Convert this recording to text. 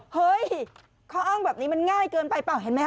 เฮ้ยข้ออ้างแบบนี้มันง่ายเกินไปเปล่าเห็นไหมฮ